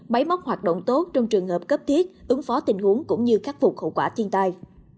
báy móc hoạt động tốt trong trường hợp cấp thiết ứng phó tình huống cũng như khắc phục khẩu quả chiên tai